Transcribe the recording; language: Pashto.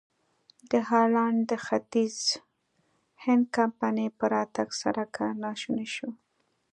د هالنډ د ختیځ هند کمپنۍ په راتګ سره کار ناشونی شو.